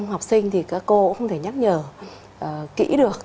học sinh thì các cô cũng không thể nhắc nhở kỹ được